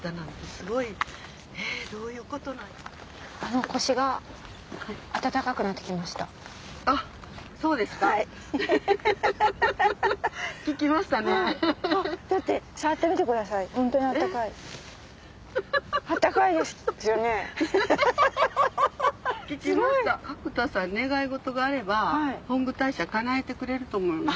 すごい！角田さん願い事があれば本宮大社かなえてくれると思います。